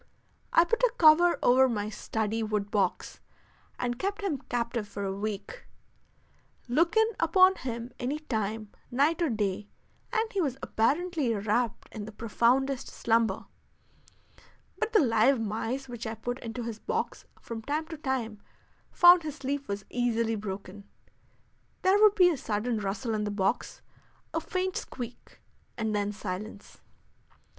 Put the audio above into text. I put a cover over my study wood box and kept him captive for a week. Look in upon him any time, night or day, and he was apparently wrapped in the profoundest slumber; but the live mice which I put into his box from time to time found his sleep was easily broken; there would be a sudden rustle in the box, a faint squeak, and then silence.